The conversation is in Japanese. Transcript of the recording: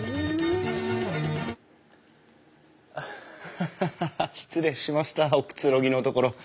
ハハハハ失礼しましたおくつろぎのところ。